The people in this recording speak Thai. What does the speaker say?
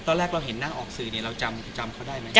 ตอนแรกเราเห็นหน้าออกสื่อเนี่ยเราจำเขาได้ไหม